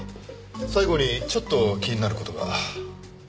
最後にちょっと気になる事が。